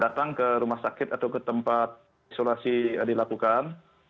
datang ke rumah sakit atau ke tempat isolasi dilakukan